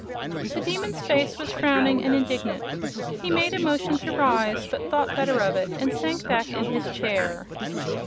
The Demon's face was frowning and indignant. He made a motion to rise, but thought better of it and sank back in his chair.